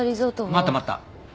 待った待った。